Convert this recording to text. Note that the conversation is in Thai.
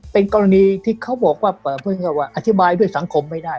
เป็นกรณีที่เขาบอกว่าอธิบายด้วยสังคมไม่ได้